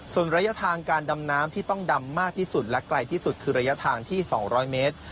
ส่วนระยะทางการดำน้ำที่ต้องดำมากที่สุดและไกลที่สุดคือระยะทางที่๒๐๐เมตร